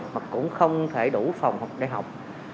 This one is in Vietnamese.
mà cũng không thể đủ phòng để học